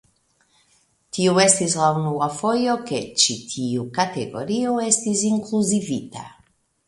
Tiu estis la unua fojo ke ĉi tiu kategorio estis inkluzivita.